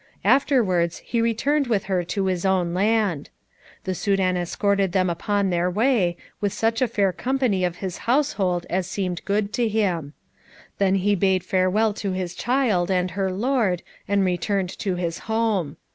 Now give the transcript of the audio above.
Afterwards he returned with her to his own land. The Soudan escorted them upon their way, with such a fair company of his household as seemed good to him. Then he bade farewell to his child and her lord, and returned to his home.